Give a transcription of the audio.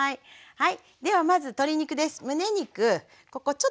はい。